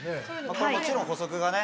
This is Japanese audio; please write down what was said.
これもちろん補足がね。